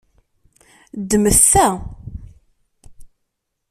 Ddmet ta.